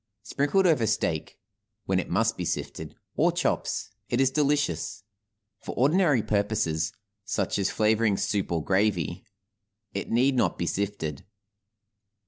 Sprinkled over steak (when it must be sifted) or chops, it is delicious. For ordinary purposes, such as flavoring soup or gravy, it need not be sifted.